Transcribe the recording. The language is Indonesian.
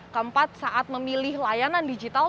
keempat saat memilih layanan digital